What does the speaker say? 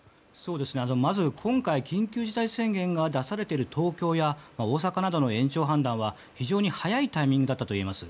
まず今回、緊急事態宣言が出されている東京や大阪などの延長判断は非常に早いタイミングだったといえます。